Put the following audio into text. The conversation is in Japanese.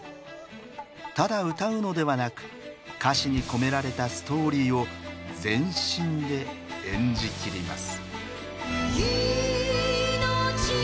ただ歌うのではなく歌詞に込められたストーリーを全身で演じきります。